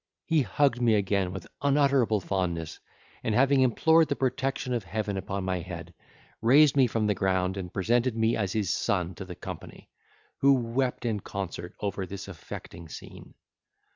He hugged me again with unutterable fondness, and having implored the protection of Heaven upon my head, raised me from the ground, and presented me as his son to the company, who wept in concert over this affecting scene.